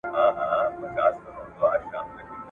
لکه خُم ته د رنګرېز چي وي لوېدلی `